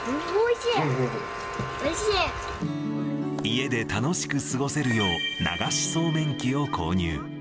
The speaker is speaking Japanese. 家で楽しく過ごせるよう、流しそうめん器を購入。